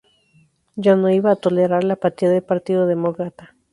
Ya no iba a tolerar la apatía del Partido Demócrata.